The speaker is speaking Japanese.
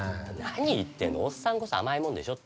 何言ってんのおっさんこそ甘いもんでしょ。